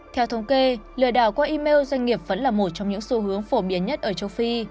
theo thống kê lừa đảo qua email doanh nghiệp vẫn là một trong những xu hướng phổ biến nhất ở châu phi